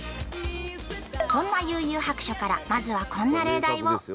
そんな『幽☆遊☆白書』からまずはこんな例題を